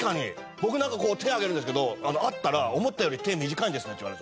僕こう手上げるんですけど会ったら「思ったより手短いんですね」って言われた。